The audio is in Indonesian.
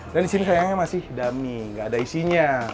dan disini sayangnya masih dummy gak ada isinya